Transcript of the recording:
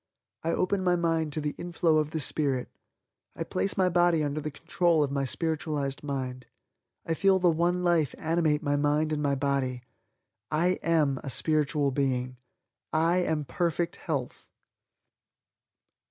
I open my mind to the inflow of the Spirit. I place my body under the control of my spiritualized mind. I feel the One Life animate my mind and my body. I AM a Spiritual Being. I AM Perfect Health!"